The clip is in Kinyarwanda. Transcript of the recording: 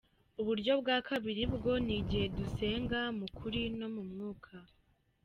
Uburyo bwa kabiri bwo ni igihe dusenga mu kuri no mu mwuka.